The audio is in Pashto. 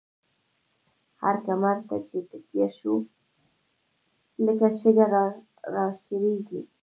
هر کمر ته چی تکیه شوو، لکه شگه را شړیږی